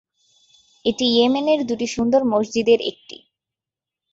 এটি ইয়েমেনের দুটি সুন্দর মসজিদের একটি।